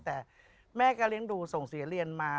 แต่แม่ก็เลี้ยงดูส่งเสียเรียนมา